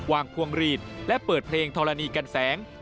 พวงหลีดและเปิดเพลงธรณีกันแสง